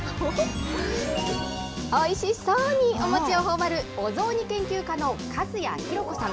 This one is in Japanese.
おいしそうにお餅をほおばる、お雑煮研究家の粕谷浩子さん。